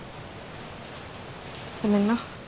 ごめんな。